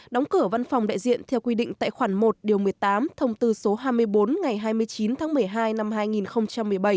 đóng cửa văn phòng đại diện theo quy định tại khoản một điều một mươi tám thông tư số hai mươi bốn ngày hai mươi chín tháng một mươi hai năm hai nghìn một mươi bảy